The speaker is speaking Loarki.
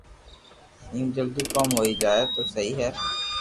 ايم جلدو ڪوم ھوئي جائين تو سھي ھي